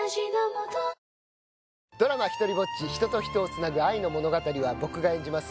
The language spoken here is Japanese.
ドラマ「ひとりぼっち−人と人をつなぐ愛の物語−」は僕が演じます